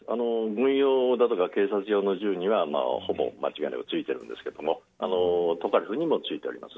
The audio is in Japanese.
軍用など警察などの銃にはほぼ間違いなくついているんですがトカレフにもついております。